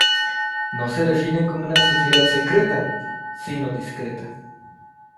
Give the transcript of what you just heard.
No se define como una sociedad secreta, sino discreta.